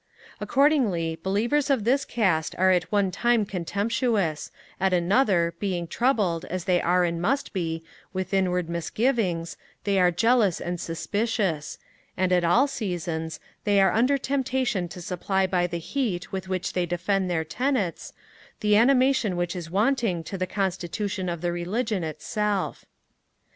Accordingly, believers of this cast are at one time contemptuous; at another, being troubled, as they are and must he, with inward misgivings, they are jealous and suspicious; and at all seasons, they are under temptation to supply by the heat with which they defend their tenets, the animation which is wanting to the constitution of the religion itself.